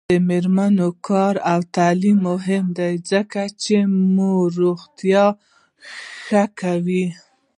د میرمنو کار او تعلیم مهم دی ځکه چې مور روغتیا ښه کوي.